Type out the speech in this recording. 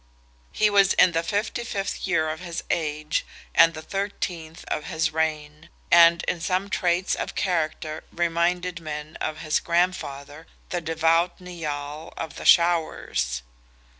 He was in the 55th year of his age and the 13th of his reign, and in some traits of character reminded men of his grandfather, the devout Nial "of the Showers."